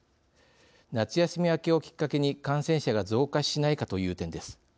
夏休み明けをきっかけに感染者が増加しないかという点です。